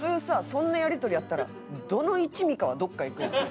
そんなやり取りあったらどの一味かはどっかいくやん。